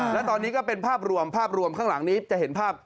และตอนนี้ก็เป็นภาพรวมภาพรวมข้างหลังนี้จะเห็นภาพ